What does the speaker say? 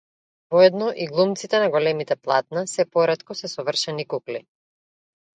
Воедно и глумците на големите платна сѐ поретко се совршени кукли.